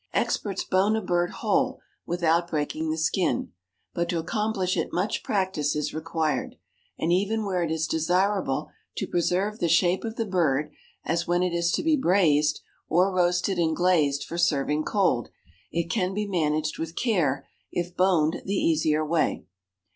Experts bone a bird whole without breaking the skin, but to accomplish it much practice is required; and even where it is desirable to preserve the shape of the bird, as when it is to be braised, or roasted and glazed for serving cold, it can be managed with care if boned the easier way.